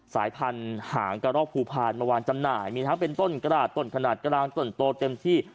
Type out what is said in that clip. สายพันธุ์หางกระรอกภูพาลมาวางจำหน่ายมีทั้งเป็นต้นกระดาษต้นขนาดกลางต้นโตเต็มที่